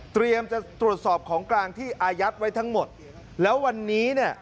จะตรวจสอบของกลางที่อายัดไว้ทั้งหมดแล้ววันนี้เนี่ย